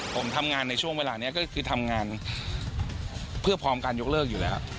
ผมทำงานในช่วงเวลานี้ก็คือทำงานเพื่อพร้อมการยกเลิกอยู่แล้ว